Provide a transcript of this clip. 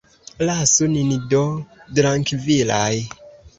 Lasu nin do trankvilaj.